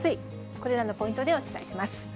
これらのポイントでお伝えします。